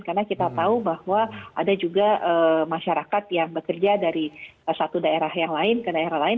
karena kita tahu bahwa ada juga masyarakat yang bekerja dari satu daerah yang lain ke daerah lain